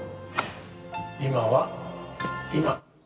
今は今。